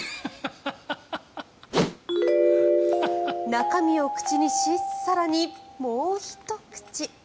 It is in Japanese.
中身を口にし更にもうひと口。